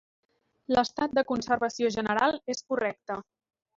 L'estat de conservació general és correcte.